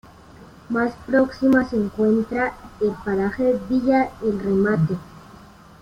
Más próxima se encuentra el paraje villa El Remate.